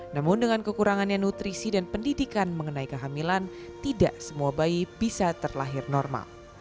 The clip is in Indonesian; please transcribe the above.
namun dengan kekurangannya nutrisi dan pendidikan mengenai kehamilan tidak semua bayi bisa terlahir normal